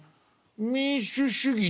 民主主義